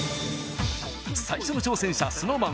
最初の挑戦者ＳｎｏｗＭａｎ